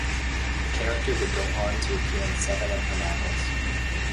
The character would go on to appear in seven of her novels.